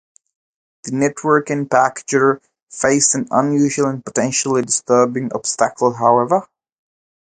The network and packager faced an unusual and potentially disturbing obstacle, however.